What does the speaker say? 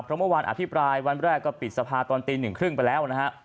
เพราะเมื่อวานอภิปรายวันแรกก็ปิดสภาตอนตีหนึ่งครึ่งไปแล้วนะฮะ